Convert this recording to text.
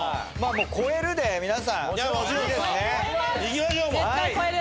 もう「超える」で皆さん超える！